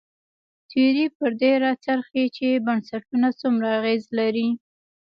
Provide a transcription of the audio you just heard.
تیوري پر دې راڅرخي چې بنسټونه څومره اغېز لري.